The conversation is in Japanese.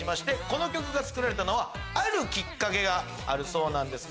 この曲が作られたのはあるキッカケがあるそうなんです。